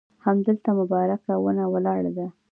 همدلته مبارکه ونه ولاړه ده.